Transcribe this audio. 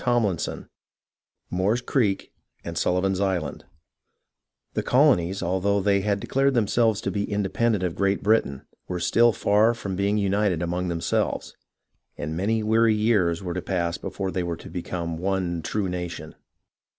CHAPTER XI moore's creek and Sullivan's island The colonies, although they had declared themselves to be independent of Great Britain, were still far from being united among themselves, and many weary years were to pass before they were to become one true nation.